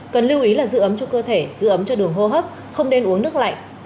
cần lưu ý là giữ ấm cho cơ thể giữ ấm cho đường hô hấp không nên uống nước lạnh